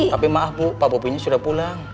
tapi maaf bu pak bopinya sudah pulang